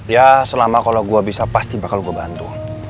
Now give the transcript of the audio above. ya selama kalau gue bisa pasti bakal gue bantu